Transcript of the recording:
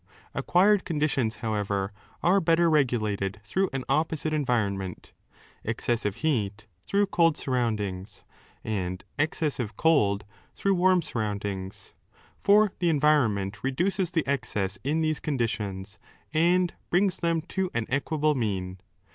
Acquired conditions, however, are better 47Sa regulated through an opposite environment, excessive heat through cold surroundings, and excessive cold through warm surroundings. For the environment reduces the excess in these conditions and brings them to an equable mean.